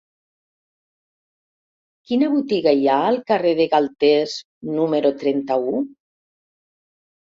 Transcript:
Quina botiga hi ha al carrer de Galtés número trenta-u?